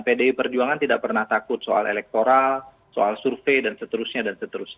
pdi perjuangan tidak pernah takut soal elektoral soal survei dan seterusnya dan seterusnya